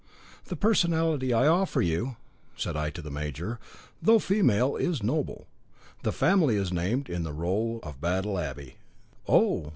"The personality I offer you," said I to the major, "though female is noble; the family is named in the roll of Battle Abbey." "Oh!"